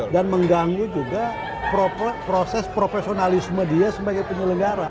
dan mengganggu juga proses profesionalisme dia sebagai penyelenggara